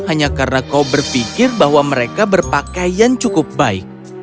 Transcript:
hanya karena kau berpikir bahwa mereka berpakaian cukup baik